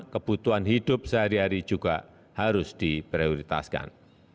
kebutuhan hidup sehari hari juga harus diprioritaskan